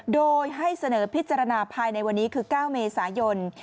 โดยให้เสนอพิจารณาภายในวันนี้คือ๙เมษายน